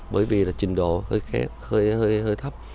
bởi vì là trình độ hơi khép hơi thấp